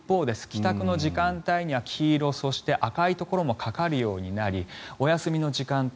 帰宅の時間帯には黄色、そして赤いところもかかるようになりお休みの時間帯